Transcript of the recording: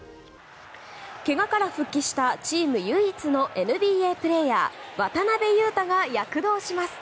けがから復帰したチーム唯一のＮＢＡプレーヤー渡邊雄太が躍動します。